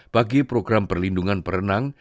bagi program perlindungan perenang